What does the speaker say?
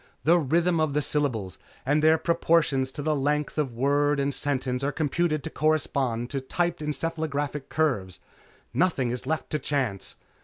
The rhythm of the syllables and their proportion to the length of word and sentence are computed to correspond to typed encephalographic curves. Nothing is left to chance.